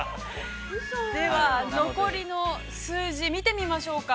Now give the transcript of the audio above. では、残りの数字見てみましょうか。